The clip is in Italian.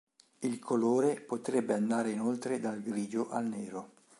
Il colore potrebbe andare inoltre dal grigio al nero.